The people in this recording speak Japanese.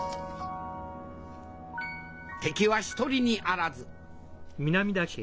敵は一人にあらず。